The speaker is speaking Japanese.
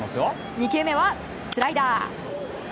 ２球目はスライダー。